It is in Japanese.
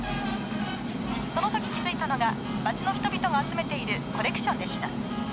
そのとき気付いたのが、街の人々が集めているコレクションでした。